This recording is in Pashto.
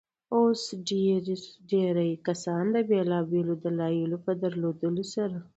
اوس ډېرى کسان د بېلابيلو دلايلو په درلودلو سره.